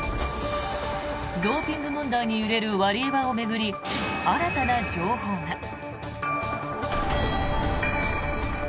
ドーピング問題に揺れるワリエワを巡り新たな情報が。